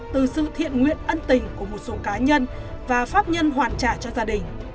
từ sự thiện nguyện ân tình của một số cá nhân và pháp nhân hoàn trả cho gia đình